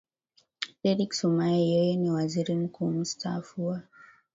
derick sumaye yeye ni waziri mkuu mstaafu wa